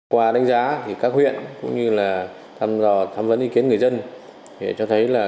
qua đánh giá các huyện cũng như tham vấn ý kiến người dân cho thấy